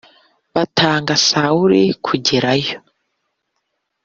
batanga Sawuli kugerayo.